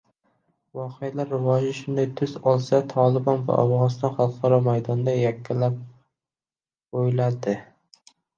Voqealar rivoji shunday tus olsa, “Tolibon” va Afg‘oniston xalqaro maydonda yakkalab qo‘yiladi